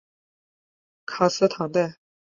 卡斯唐代。